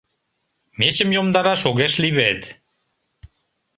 Мечым йомдараш огеш лий вет.